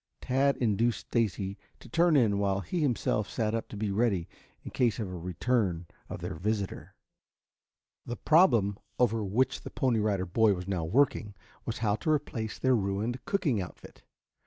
Tad induced Stacy to turn in while he himself sat up to be ready in case of a return of their visitor. The problem over which the Pony Rider Boy was now working was how to replace their ruined cooking outfit.